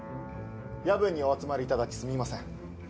夜分にお集まりいただきすみません